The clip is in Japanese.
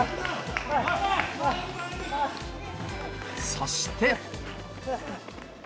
そして。